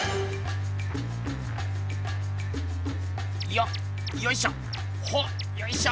よっよいしょ！